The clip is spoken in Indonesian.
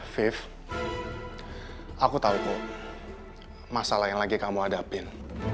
five aku tahu kok masalah yang lagi kamu hadapin